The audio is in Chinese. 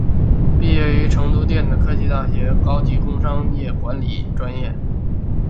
毕业于成都电子科技大学高级工商管理专业。